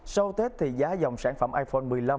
sau tết thì giá dòng sản phẩm iphone một mươi năm